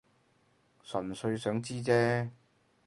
純粹想知啫